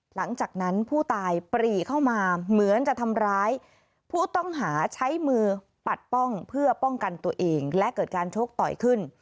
หลังจากนั้นผู้ตายปรีเข้ามาเหมือนจะทำร้ายผู้ต้องหาใช้มือปัดป้องเพื่อป้องกันตัวเองและเกิดการชกต่อยขึ้น